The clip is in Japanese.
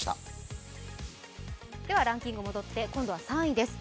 ではランキング戻って今度は３位です。